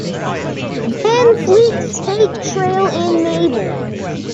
Van Fleet State Trail in Mabel.